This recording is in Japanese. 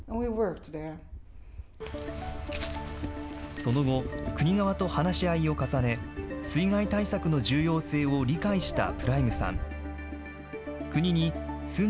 その後、国側と話し合いを重ね、水害対策の重要性を理解したプライムさん。